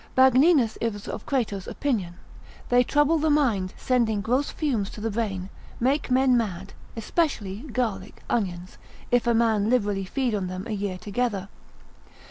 Magninus is of Crato's opinion, They trouble the mind, sending gross fumes to the brain, make men mad, especially garlic, onions, if a man liberally feed on them a year together.